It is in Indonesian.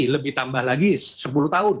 lebih tambah lagi sepuluh tahun